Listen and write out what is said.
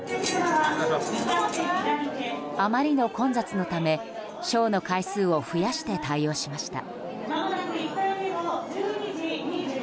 あまりの混雑のためショーの回数を増やして対応しました。